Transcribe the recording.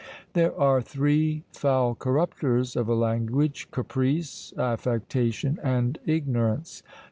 There are three foul corruptors of a language: caprice, affectation, and ignorance!